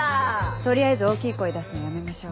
取りあえず大きい声出すのやめましょう。